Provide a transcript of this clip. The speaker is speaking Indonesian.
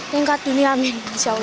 tingkat dunia amin